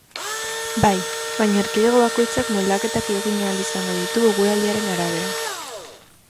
Bai, baina erkidego bakoitzak moldaketak egin ahal izango ditu eguraldiaren arabera.